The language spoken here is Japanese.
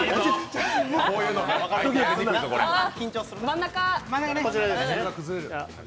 真ん中。